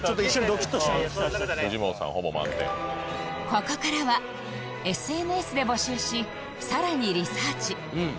ここからは ＳＮＳ で募集しさらにリサーチ